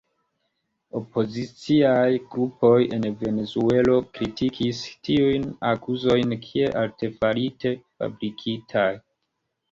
Opoziciaj grupoj en Venezuelo kritikis tiujn akuzojn kiel artefarite fabrikitaj.